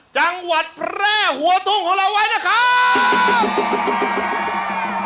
จังหวัดแพร่หัวทุ่งของเราไว้นะครับ